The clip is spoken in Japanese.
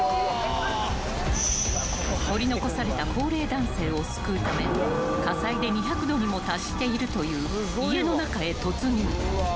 ［取り残された高齢男性を救うため火災で２００℃にも達しているという家の中へ突入］